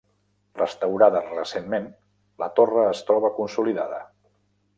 Restaurada recentment, la torre es troba consolidada.